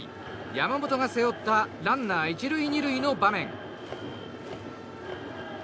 山本が背負ったランナー１塁２塁の場面。